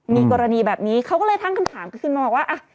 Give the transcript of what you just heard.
มีกรณีแบบนี้เขาก็เลยตั้งคำถามขึ้นมาว่า